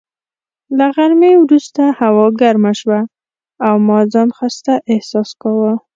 له غرمې وروسته هوا ګرمه شوه او ما ځان خسته احساس کاوه.